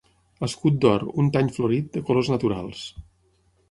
Escut d'or, un tany florit, de colors naturals.